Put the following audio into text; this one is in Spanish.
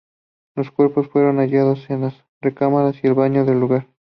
Los cuerpos fueron hallados en las recámaras y el baño del lugar.